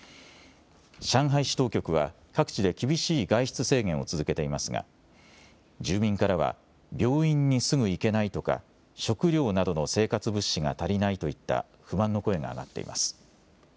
上海市当局は各地で厳しい外出制限を続けていますが住民からは病院にすぐ行けないとか食料などの生活物資が足りないといった不満の声が上がっています。